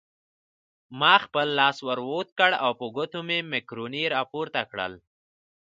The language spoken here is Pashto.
ما خپل لاس ور اوږد کړ او په ګوتو مې مکروني راپورته کړل.